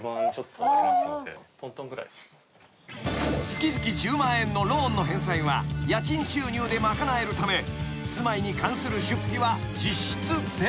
［月々１０万円のローンの返済は家賃収入で賄えるため住まいに関する出費は実質ゼロ］